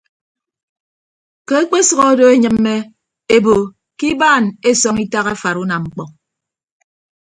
Ke ekpesʌk odo eenyịmme ebo ke ibaan esọñ itak afara unamñkpọ.